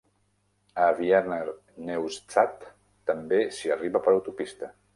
A Wiener Neudstat també s'hi arriba per autopista.